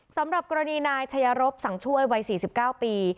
สำหรับกรณีนายชายรบสั่งช่วยวัย๔๙ปี